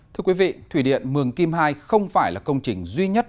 thưa quý vị thủy điện mường kim ii không phải là công trình duy nhất